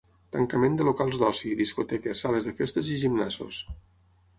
Tancament de locals d'oci, discoteques, sales de festes i gimnasos.